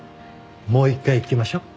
もう一回いきましょう。